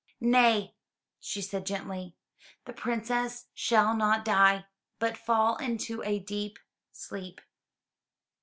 "Nay, she said gently, "the Princess shall not die, but fall into a deep sleep.